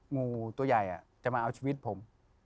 งูตัวใหญ่จะมาเอาชีวิตผม